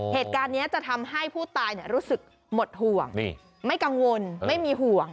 เหตุการณ์นี้จะทำให้ผู้ตายรู้สึกหมดห่วงไม่กังวลไม่มีห่วง